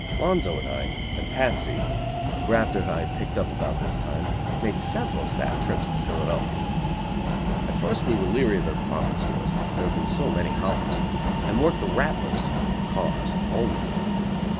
Lonzo and I, and Patsy, a grafter I had picked up about this time, made several fat trips to Philadelphia. At first we were leary of the department stores, there had been so many "hollers," and worked the "rattlers" (cars) only.